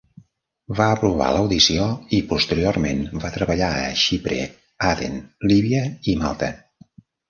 Va aprovar l'audició i posteriorment va treballar a Xipre, Aden, Líbia i Malta.